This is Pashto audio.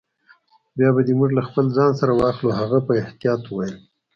بیا به دي موږ له خپل ځان سره واخلو. هغه په احتیاط وویل.